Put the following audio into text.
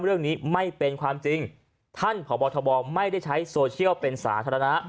เรื่องนี้ไม่เป็นความจริงท่านพบทบไม่ได้ใช้โซเชียลเป็นสาธารณะ